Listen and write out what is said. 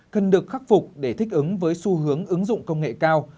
cần được khắc phục để thích ứng với xu hướng ứng dụng công nghệ cao